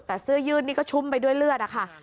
แต่เสื้อยืดนี่ก็ชุ่มไปด้วยเลือดนะคะ